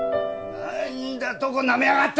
何だとなめやがって！